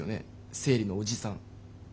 生理のおじさん。